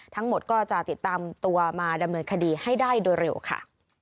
ทั้งหมดก็จะติดตามตัวมาดำเนินคดีให้ได้โดยเร็วค่ะ